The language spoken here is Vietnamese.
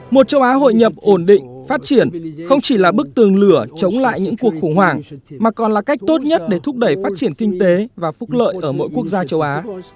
một châu á hội nhập ổn định phát triển không chỉ là bức tường lửa chống lại những cuộc khủng hoảng mà còn là cách tốt nhất để thúc đẩy phát triển kinh tế và phúc lợi ở mỗi quốc gia châu á